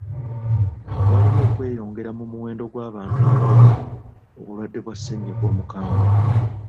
Waliwo okweyongera mu muwendo gw'abantu abawona obulwadde bwa ssennyiga omukambwe.